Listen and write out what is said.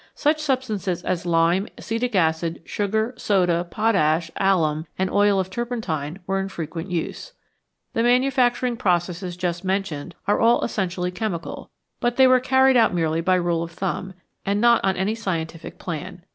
Such sub stances as lime, acetic acid, sugar, soda, potash, alum, and oil of turpentine were in frequent use. The manufactur ing processes just mentioned are all essentially chemical, but they were carried out merely by rule of thumb, and not on any scientific plan.